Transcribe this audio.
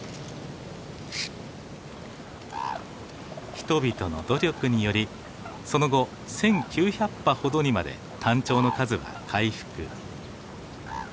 人々の努力によりその後１９００羽ほどにまでタンチョウの数は回復。